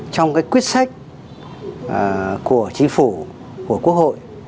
trong cái quyết sách của chính phủ của quốc hội